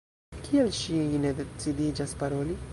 Kial ŝi ne decidiĝas paroli?